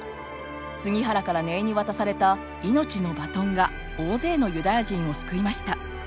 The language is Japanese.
杉原から根井に渡された「命のバトン」が大勢のユダヤ人を救いました。